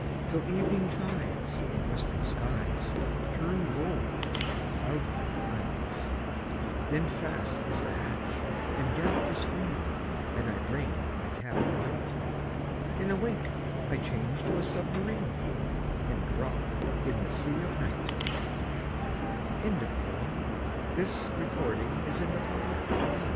Till evening tides in western skies Turn gold the cloudland isles; Then fast is the hatch and dark the screen. And I bring my cabin light; With a wink I change to a submarine And drop in the sea of Night, WAR IN THE NORTH Not from Mars and not from Thor